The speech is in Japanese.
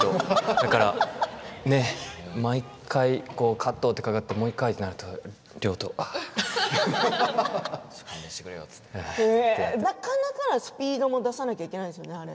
だから毎回カットってかかってもう１回となるとなかなかなスピードも出さなきゃいけないんですよね。